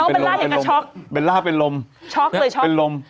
เป็นล่าเป็นลม